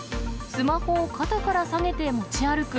スマホを肩から下げて持ち歩く